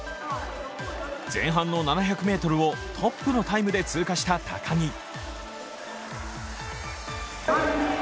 前半の７００ｍをトップのタイムで通過した高木。